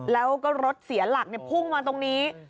แล้วก็รถเสียหลักพุ่งมาตรงนี้